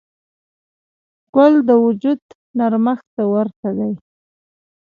ګل د وجود نرمښت ته ورته دی.